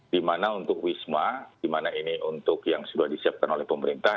di mana untuk wisma di mana ini untuk yang sudah disiapkan oleh pemerintah